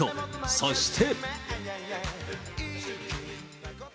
そして。